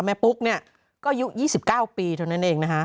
ปุ๊กเนี่ยก็อายุ๒๙ปีเท่านั้นเองนะคะ